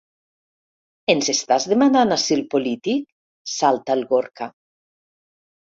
Ens estàs demanant asil polític? —salta el Gorka.